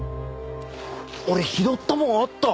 俺拾ったもんあった。